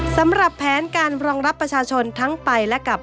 สำหรับแผนการรองรับประชาชนทั้งไปและกับ